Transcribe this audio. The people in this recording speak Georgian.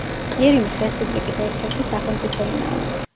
ყირიმის რესპუბლიკის ერთ-ერთი სახელმწიფო ენაა.